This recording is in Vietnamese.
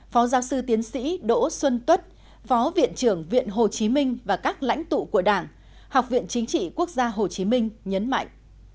phó giáo sư tiến sĩ đỗ xuân tuất phó viện trưởng viện hồ chí minh và các lãnh tụ của đảng học viện chính trị quốc gia hồ chí minh nhấn mạnh